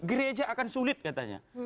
gereja akan sulit katanya